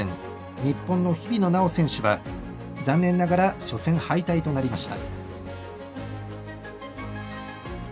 日本の日比野菜緒選手は残念ながら初戦敗退となりました。